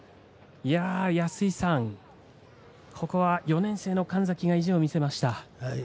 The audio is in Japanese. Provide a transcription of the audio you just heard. ここは４年生の神崎が意地を見せました。